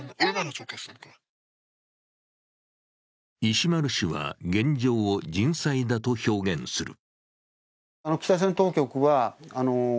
石丸氏は現状を人災だと表現する。